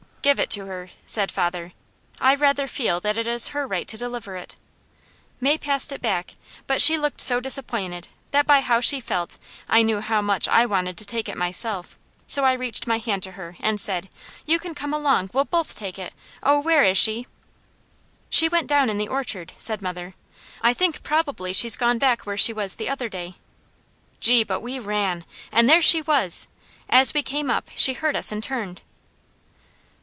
"Give it to her!" said father. "I rather feel that it is her right to deliver it." May passed it back, but she looked so disappointed, that by how she felt I knew how much I wanted to take it myself; so I reached my hand to her and said: "You can come along! We'll both take it! Oh where is she?" "She went down in the orchard," said mother. "I think probably she's gone back where she was the other day." Gee, but we ran! And there she was! As we came up, she heard us and turned.